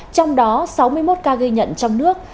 trong đó sáu mươi một ca ghi nhận trong nước